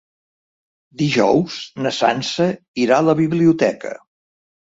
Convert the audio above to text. Dijous na Sança irà a la biblioteca.